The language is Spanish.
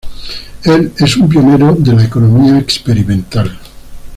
Él es un pionero de la economía experimental.